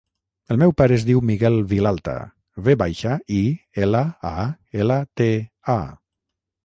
El meu pare es diu Miguel Vilalta: ve baixa, i, ela, a, ela, te, a.